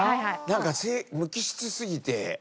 なんか無機質すぎて。